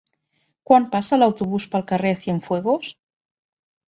Quan passa l'autobús pel carrer Cienfuegos?